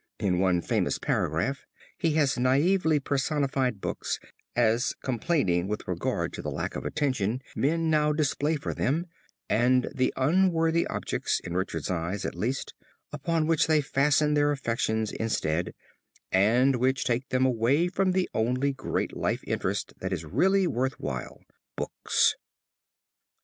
In one famous paragraph he has naively personified books as complaining with regard to the lack of attention men now display for them and the unworthy objects, in Richard's eyes at least, upon which they fasten their affections instead, and which take them away from the only great life interest that is really worth while books.